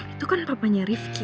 itu kan apanya rifqi